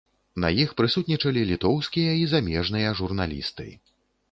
На іх прысутнічалі літоўскія і замежныя журналісты.